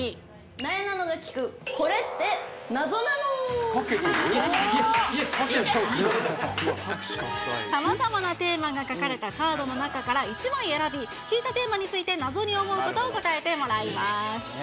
なえなのが聞く、さまざまなテーマが書かれたカードの中から１枚選び、引いたテーマについて謎に思うことを答えてもらいます。